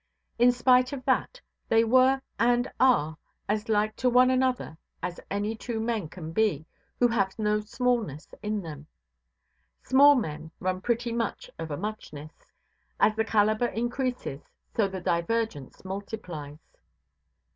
In spite of that, they were, and are, as like to one another as any two men can be who have no smallness in them. Small men run pretty much of a muchness; as the calibre increases, so the divergence multiplies.